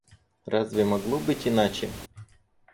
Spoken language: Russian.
Разве могло быть иначе?